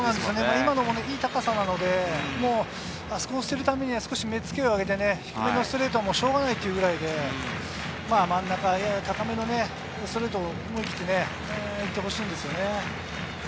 今のもいい高さなので、少し目付けを上げて上のストレートはしょうがないというぐらいで、真ん中やや高めのストレートを思い切って打ってほしいですね。